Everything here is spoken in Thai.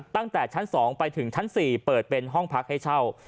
ตั้งแต่ชั้น๒ไปถึงชั้น๔เปิดเป็นห้องพักให้เช่า